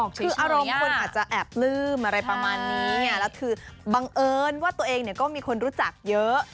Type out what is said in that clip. คืออารมณ์คนอาจจะแอบปลื้มอะไรประมาณนี้ไงแล้วคือบังเอิญว่าตัวเองเนี่ยก็มีคนรู้จักเยอะ